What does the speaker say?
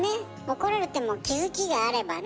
怒られても気づきがあればね。